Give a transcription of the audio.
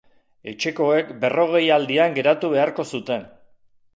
Etxekoek berrogeialdian geratu beharko zuten.